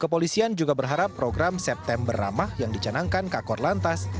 kepolisian juga berharap program september ramah yang dicanangkan kakor lantas